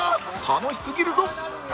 楽しすぎるぞ！